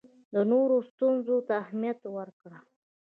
د نورو ستونزو ته اهمیت ورکړه.